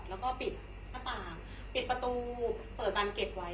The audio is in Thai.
แล้วก็ปิดหน้าต่างปิดประตูเปิดบานเก็ตไว้